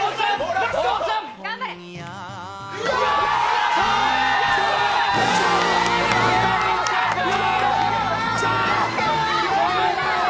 やったー！